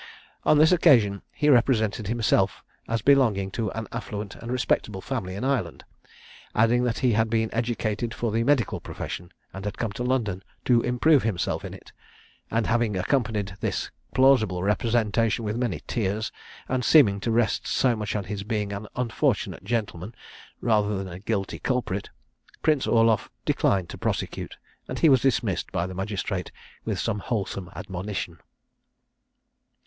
On this occasion he represented himself as belonging to an affluent and respectable family in Ireland, adding that he had been educated for the medical profession, and had come to London to improve himself in it; and having accompanied this plausible representation with many tears, and seeming to rest so much on his being an unfortunate gentleman rather than a guilty culprit, Prince Orloff declined to prosecute, and he was dismissed by the magistrate, with some wholesome admonition.